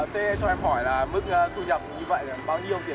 tôi cho em hỏi là mức thu nhập như vậy là bao nhiêu